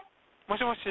もしもし？